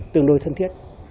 tương đối thân thiết